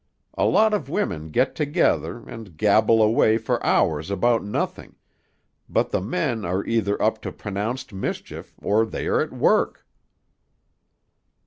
A lot of women get together, and gabble away for hours about nothing, but the men are either up to pronounced mischief or they are at work."